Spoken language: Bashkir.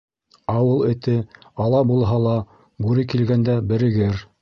Ауыл эте ала булһа ла, бүре килгәндә, берегер.